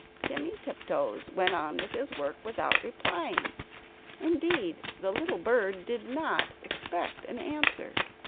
Timmy Tiptoes went on with his work without replying; indeed, the little bird did not expect an answer.